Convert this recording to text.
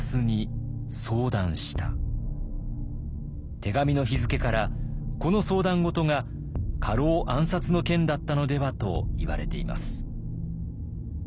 手紙の日付からこの相談事が家老暗殺の件だったのではといわれています。